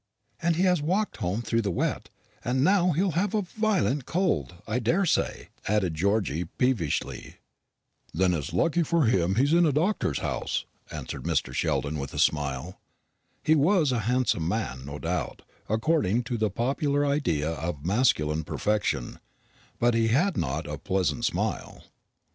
"And he has walked home through the wet, and now he'll have a violent cold, I daresay," added Georgy peevishly. "Then it's lucky for him he's in a doctor's house," answered Mr. Sheldon, with a smile. He was a handsome man, no doubt, according to the popular idea of masculine perfection, but he had not a pleasant smile.